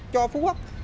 cho phú quốc